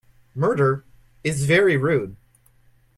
Murder is very rude.